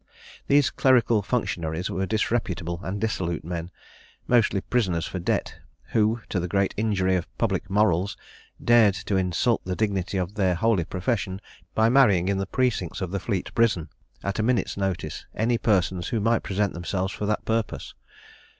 These clerical functionaries were disreputable and dissolute men, mostly prisoners for debt, who, to the great injury of public morals, dared to insult the dignity of their holy profession by marrying in the precincts of the Fleet prison, at a minute's notice, any persons who might present themselves for that purpose.